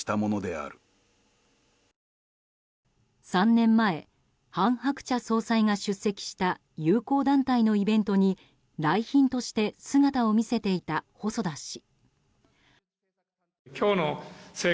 ３年前、韓鶴子総裁が出席した友好団体のイベントに来賓として姿を見せていた細田氏。